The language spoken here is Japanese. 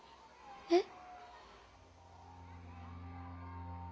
えっ。